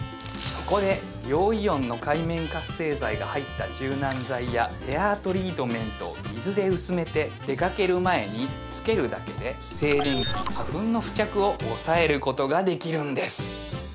そこで陽イオンの界面活性剤が入った柔軟剤やヘアトリートメントを水で薄めて出かける前につけるだけで静電気花粉の付着を抑えることができるんです